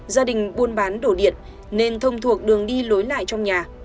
gia đình buôn bán đổ điện nên thông thuộc đường đi lối lại trong nhà